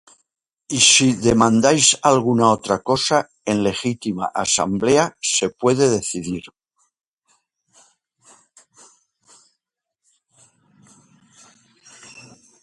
Y si demandáis alguna otra cosa, en legítima asamblea se pueda decidir.